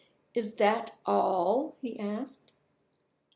"Is that all?" he asked.